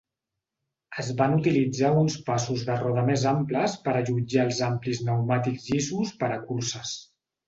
Es van utilitzar uns passos de roda més amples per allotjar els amplis pneumàtics llisos per a curses.